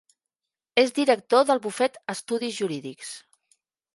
És director del bufet Estudis Jurídics.